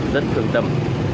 rất thương tâm